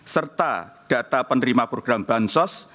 serta data penerima program bansos